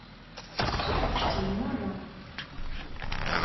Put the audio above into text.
Suffɣet-ten meṛṛa.